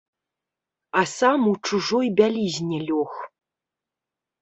А сам у чужой бялізне лёг.